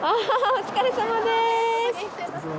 お疲れさまです